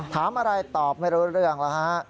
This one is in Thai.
ถามอะไรตอบไม่รู้เรื่องแล้วฮะ